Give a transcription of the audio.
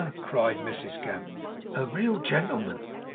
cried Mrs Gamp. 'A rayal gentleman!